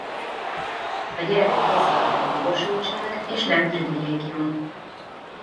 A gyerekek részvétele jogosultság és nem privilégium.